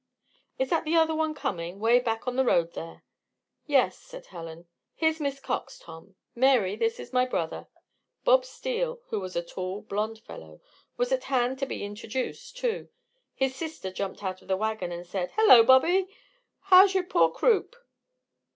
"Is that the other one coming 'way back on the road there?" "Yes," said Helen. "Here's Miss Cox, Tom. Mary, this is my brother." Bob Steele, who was a tall, blond fellow, was at hand to be introduced, too. His sister jumped out of the wagon and said: "Hullo, Bobbie! How's your poor croup?"